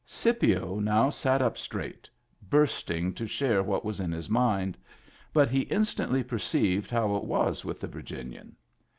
Scipio now sat up straight, bursting to share what was in his mind; but he instantly per ceived how it was with the Virginian.